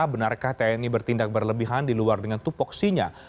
benarkah tni bertindak berlebihan di luar dengan tupoksinya